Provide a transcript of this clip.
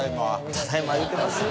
「ただいま」言うてます。